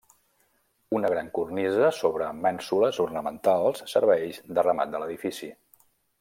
Una gran cornisa sobre mènsules ornamentals serveix de remat de l'edifici.